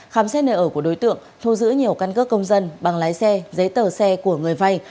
khám xét nơi ở của đối tượng thu giữ nhiều căn cơ công dân bằng lái xe giấy tờ xe của người vay